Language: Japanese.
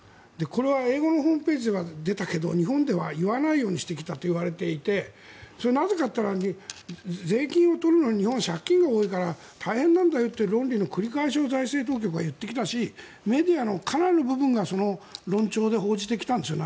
これは英語のホームページでは出たけど日本では言わないようにしてきたといわれていてなぜかと言ったら税金を取るのに日本は借金が多いから大変なんだよという論理の繰り返しを財政当局が言ってきたしメディアのかなりの部分がその論調で報じてきたんですよ